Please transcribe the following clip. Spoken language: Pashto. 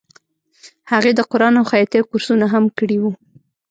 هغې د قرآن او خیاطۍ کورسونه هم کړي وو